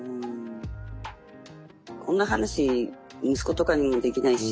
こんな話息子とかにもできないし。